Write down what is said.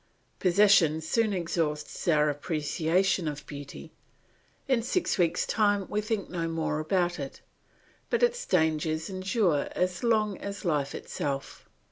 Possession soon exhausts our appreciation of beauty; in six weeks' time we think no more about it, but its dangers endure as long as life itself.